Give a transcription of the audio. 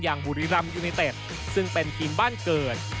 อย่างบุริรัมย์ยูนิเต็ทซึ่งเป็นทีมบ้านเกิด